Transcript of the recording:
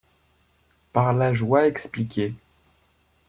Par la joie expliqué